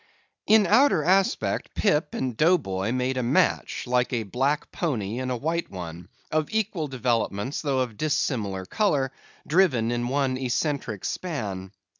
In outer aspect, Pip and Dough Boy made a match, like a black pony and a white one, of equal developments, though of dissimilar colour, driven in one eccentric span.